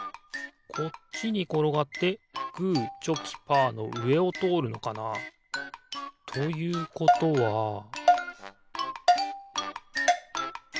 こっちにころがってグーチョキパーのうえをとおるのかな？ということはピッ！